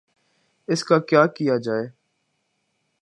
اس کا کیا کیا جائے؟